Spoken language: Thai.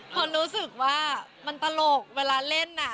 พอรู้สึกว่ามันตลกเวลาเล่นน่ะ